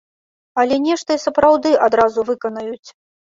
Але нешта і сапраўды адразу выканаюць.